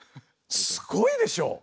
すごいでしょ？